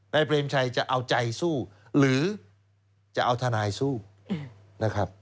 เปรมชัยจะเอาใจสู้หรือจะเอาทนายสู้นะครับ